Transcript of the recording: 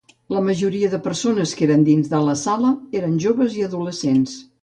La majoria de persones que eren dins la sala eren joves i adolescents.